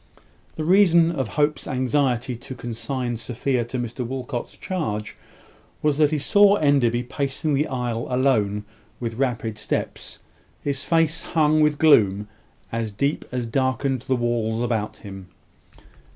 The reason of Hope's anxiety to consign Sophia to Mr Walcot's charge was, that he saw Enderby pacing the aisle alone with rapid steps, his face hung with gloom as deep as darkened the walls about him.